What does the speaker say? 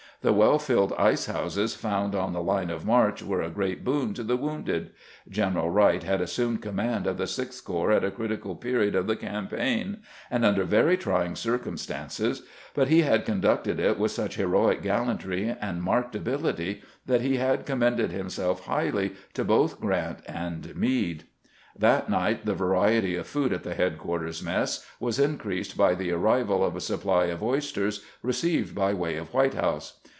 The well filled ice houses found on the line of march were a great boon to the wounded. G eneral Wright had assumed command of the Sixth Corps at a critical pe riod of the campaign, and under very trying circum stances; but he had conducted it with such heroic gallantry and marked ability that he had commended himself highly to both Grant and Meade. That night the variety of food at the headquarters mess was increased by the arrival of a supply of oysters received by way of White House.